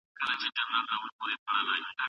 مثبت چلند مو د ژوند د بریا لپاره ضروري دی.